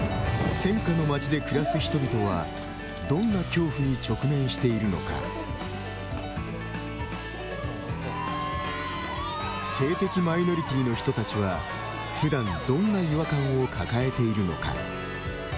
戦火の町で暮らす人々はどんな恐怖に直面しているのか性的マイノリティーの人たちはふだん、どんな違和感を抱えているのか。